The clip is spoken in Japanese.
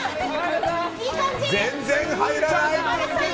全然入らない！